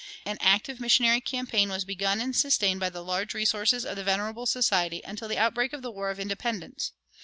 An active missionary campaign was begun and sustained by the large resources of the Venerable Society until the outbreak of the War of Independence.